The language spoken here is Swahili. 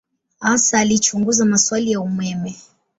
Hasa alichunguza maswali ya umeme.